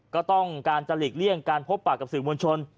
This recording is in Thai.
ก็ต้องการจะหลีกเลี่ยงการพบปากกับสื่อมวลชน